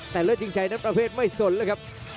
แต่เลิศชิงชัยนั้นประเภทไม่สนแล้วครับ